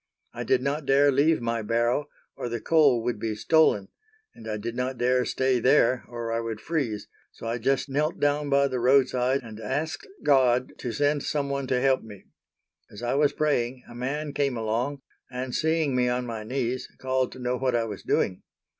I did not dare leave my barrow or the coal would be stolen, and I did not dare stay there or I would freeze, so I just knelt down by the roadside and asked God to send some one to help me. As I was praying a man came along, and seeing me on my knees called to know what I was doing.